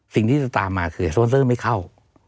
สิ่งที่จะตามมาคือโซนเซอร์ไม่เข้า